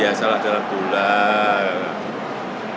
ya biasalah dalam bulan